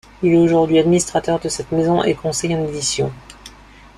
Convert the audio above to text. Il est aujourd'hui administrateur de cette maison et conseil en édition.